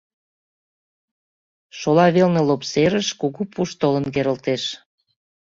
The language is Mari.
Шола велне лоп серыш кугу пуш толын керылтеш.